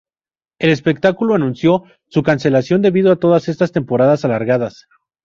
El espectáculo anunció su cancelación debido a todas estas temporadas alargadas.